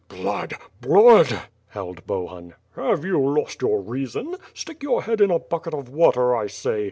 "Blood! Blood!" howled Bohun. "Have you lost your reason? Stick your head in a bucket of water, I say.